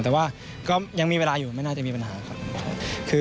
แต่ว่าก็ยังมีเวลาอยู่ไม่น่าจะมีปัญหาครับ